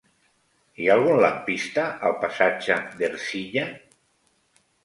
Hi ha algun lampista al passatge d'Ercilla?